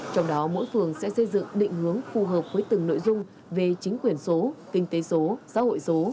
trong đó mỗi phường sẽ xây dựng định hướng phù hợp với từng nội dung về chính quyền số kinh tế số xã hội số